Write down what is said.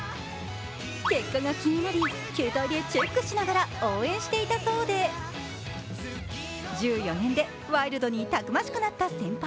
結果が気になり、携帯でチェックしながら応援したそうで１４年でワイルドにたくましくなった先輩。